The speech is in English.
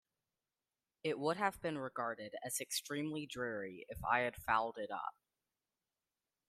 It would have been regarded as extremely dreary if I had fouled it up.